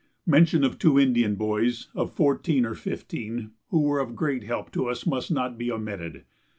Mention of two Indian boys of fourteen or fifteen, who were of great help to us, must not be omitted.